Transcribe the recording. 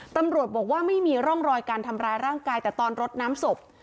ตำรวจบอกว่าไม่มีร่องรอยการทำร้ายร่างกายแต่ตอนรดน้ำศพ